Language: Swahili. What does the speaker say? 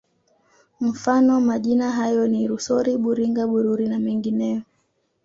Mfano majina hayo ni Rusori Buringa Bururi na mengineyo